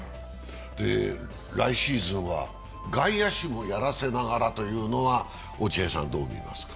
来シーズンは外野手もやらせながらというのは、どう見ますか？